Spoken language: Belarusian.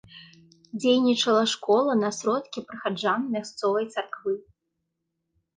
Дзейнічала школа на сродкі прыхаджан мясцовай царквы.